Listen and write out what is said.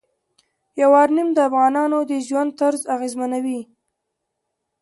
یورانیم د افغانانو د ژوند طرز اغېزمنوي.